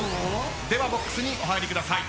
ではボックスにお入りください。